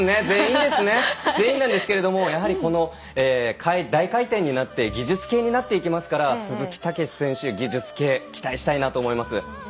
全員なんですけれども大回転になって技術系になっていきますから鈴木猛史選手技術系、期待したいと思います。